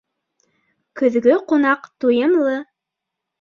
Көҙгө ҡунаҡ туйымлы